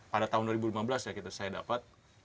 pada tahun dua ribu lima belas ya saya dapat